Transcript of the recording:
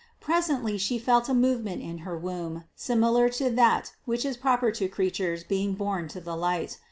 Presently she felt a movement in her womb similar to that which is proper to creatures being born to the light.